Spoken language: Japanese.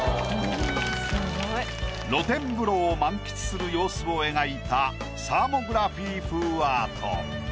露天風呂を満喫する様子を描いたサーモグラフィー風アート。